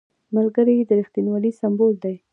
ملګری د رښتینولۍ سمبول دی